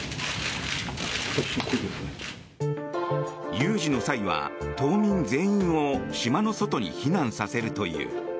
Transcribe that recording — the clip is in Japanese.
有事の際は島民全員を島の外に避難させるという。